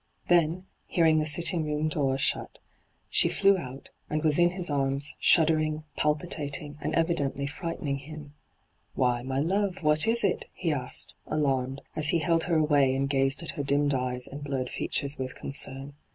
Then, hearing the sitting room door shut, she flew out, and was in his arms, shud dering, palpitating, and evidently frightening him. ' Why, my love, what is it V he asked, alarmed, as he held her away and gazed at her dimmed eyes and blurred features with concern.